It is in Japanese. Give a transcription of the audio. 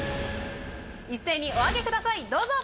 一斉にお上げくださいどうぞ！